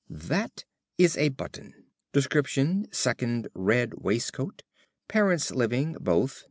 "That is a button. Description: second red waistcoat. Parents living: both.